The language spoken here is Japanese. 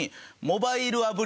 モバイル。